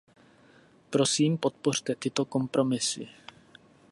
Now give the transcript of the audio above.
Prosím, podpořte tyto kompromisy.